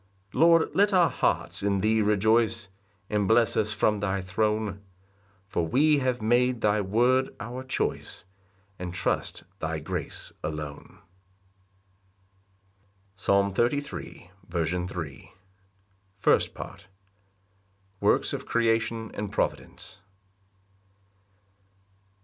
6 Lord, let our hearts in thee rejoice, And bless us from thy throne; For we have made thy word our choice, And trust thy grace alone. Psalm 33:3. First Part. As the 113th Psalm. Works of creation and providence.